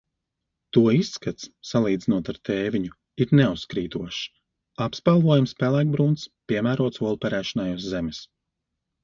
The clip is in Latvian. To izskats, salīdzinot ar tēviņu, ir neuzkrītošs, apspalvojums pelēkbrūns, piemērots olu perēšanai uz zemes.